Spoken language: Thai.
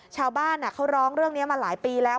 ชาวบ้านเขาร้องเรื่องนี้มาหลายปีแล้ว